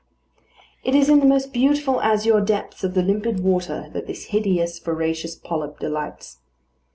It is in the most beautiful azure depths of the limpid water that this hideous, voracious polyp delights.